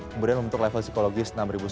kemudian membentuk level psikologis